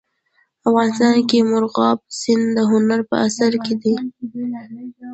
افغانستان کې مورغاب سیند د هنر په اثار کې دی.